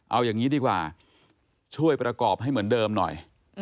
เอาอย่างนี้ดีกว่าช่วยประกอบให้เหมือนเดิมหน่อย